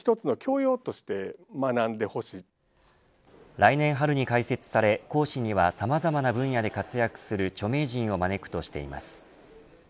来年春に開設され講師にはさまざまな分野で活躍する著名人を招くとしています。